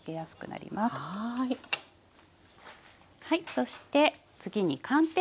そして次に寒天を。